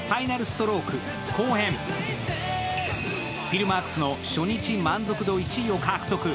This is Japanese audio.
フィルマークスの初日満足度１位を獲得。